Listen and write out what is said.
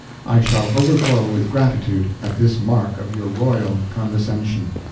I shall overflow with gratitude at this mark of your royal condescension.